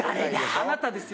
あなたですよ。